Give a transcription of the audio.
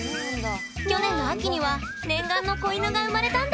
去年の秋には念願の子犬が生まれたんだって！